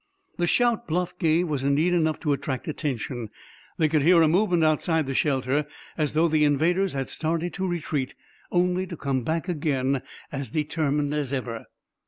The shout Bluff gave was indeed enough to attract attention. They could hear a movement outside the shelter, as though the invaders had started to retreat, only to come back again, as determined as ever.